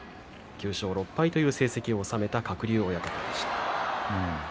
９勝６敗という成績を収めた鶴竜親方でした。